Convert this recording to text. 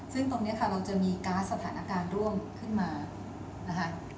ซึ่งตรงนี้ค่ะเราจะมีก๊าซสถานการณ์ร่วมขึ้นมานะคะ